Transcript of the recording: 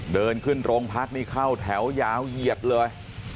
เดินขึ้นโรงพักนี่เข้าแถวยาวเหยียดเลย